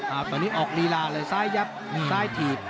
ตอนนี้ออกลีลาเลยซ้ายยับซ้ายถีบ